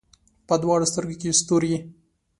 په دواړو سترګو کې یې ستوري